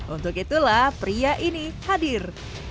untuk itulah pria ini hadir